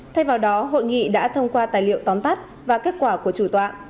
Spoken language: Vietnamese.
thay vào đó hội nghị đã thông qua tài liệu tóm tắt và kết quả của chủ tọa